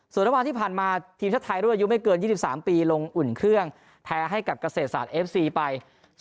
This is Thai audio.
ส่วนระหว่างที่ผ่านมาทีมชาติไทยรุ่นอายุไม่เกิน๒๓ปีลงอุ่นเครื่องแพ้ให้กับเกษตรศาสตร์เอฟซีไป